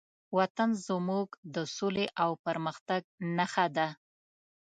وطن زموږ د سولې او پرمختګ نښه ده.